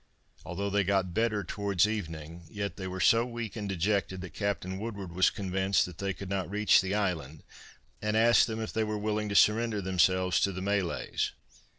Although they got better towards evening yet they were so weak and dejected that Captain Woodward was convinced that they could not reach the island and asked them if they were willing to surrender themselves to the Malays.